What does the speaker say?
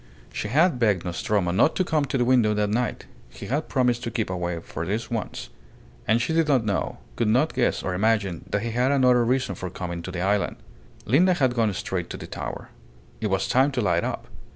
She had begged Nostromo not to come to the window that night. He had promised to keep away for this once. And she did not know, could not guess or imagine, that he had another reason for coming on the island. Linda had gone straight to the tower. It was time to light up.